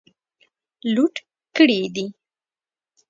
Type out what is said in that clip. لوټ کړي دي.